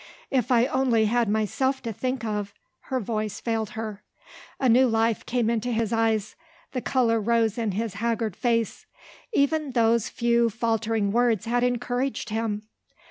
"If I only had myself to think of " Her voice failed her. A new life came into his eyes, the colour rose in his haggard face: even those few faltering words had encouraged him!